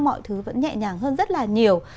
mọi thứ vẫn nhẹ nhàng hơn rất là nhiều